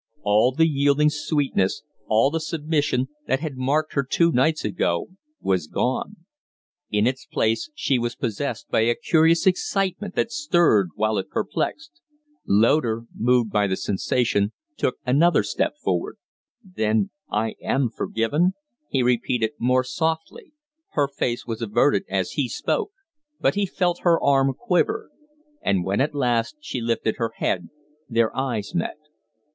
All the yielding sweetness, all the submission, that had marked her two nights ago was gone; in its place she was possessed by a curious excitement that stirred while it perplexed. Loder, moved by the sensation, took another step forward. "Then I am forgiven?" he repeated, more softly. Her face was averted as he spoke, but he felt hen arm quiver; and when at last she lifted her head, their eyes met.